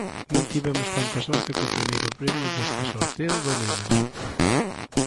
Non tivemos tanta sorte co primeiro premio deste sorteo do Neno.